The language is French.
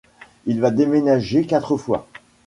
Il va déménager quatre fois.